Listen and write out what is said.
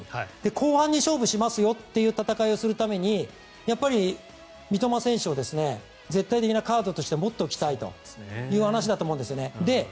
後半に勝負しますよという戦いをするためにやっぱり三笘選手を絶対的なカードとして持っておきたいという話だと思うんですよね。